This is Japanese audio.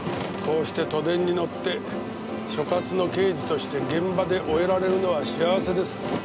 こうして都電に乗って所轄の刑事として現場で終えられるのは幸せです。